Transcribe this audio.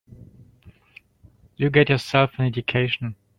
You get yourself an education.